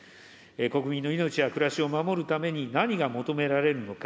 国民の命や暮らしを守るために何が求められるのか。